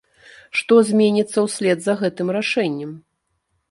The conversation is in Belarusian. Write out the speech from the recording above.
Што зменіцца ўслед за гэтым рашэннем?